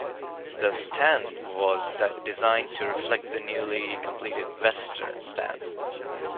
The Stand was designed to reflect the newly completed Western Stand.